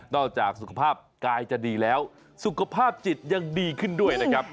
จากสุขภาพกายจะดีแล้วสุขภาพจิตยังดีขึ้นด้วยนะครับ